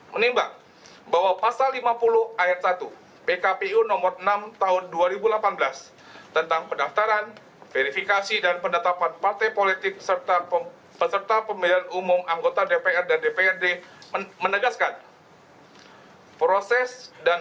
menimbang bahwa pasal lima puluh ayat satu pkpu nomor enam tahun dua ribu delapan belas tentang pendaftaran verifikasi dan penetapan partai politik serta peserta pemilihan umum anggota dpr dan dprd menegaskan proses dan